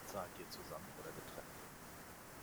Zahlt ihr zusammen oder getrennt?